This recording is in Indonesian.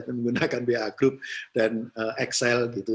menggunakan ba group dan excel gitu